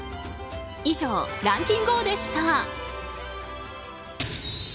以上、ランキンＧＯ！でした。